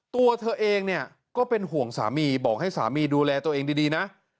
ตัวเธอเองเนี่ยก็เป็นห่วงสามีบอกให้สามีดูแลตัวเองดีนะ